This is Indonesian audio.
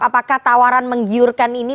apakah tawaran menggiurkan ini